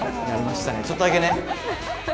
ちょっとだけね。